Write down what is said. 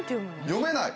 読めない。